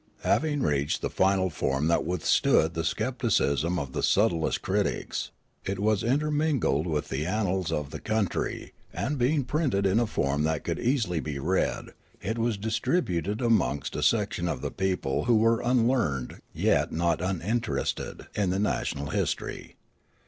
Having reached the final form that withstood the scepticism of the subtlest critics, it was intermingled with the annals of the country and, being printed in a form that could easily be read, it was distributed amongst a section of the people who were unlearned yet not uninterested in the national history.